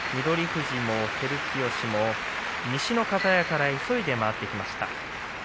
富士も照強も西の方屋から急いで回ってきました。